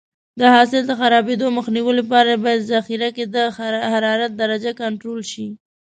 د حاصل د خرابېدو مخنیوي لپاره باید ذخیره کې د حرارت درجه کنټرول شي.